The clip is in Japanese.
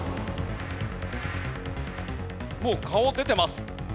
もう顔出てます。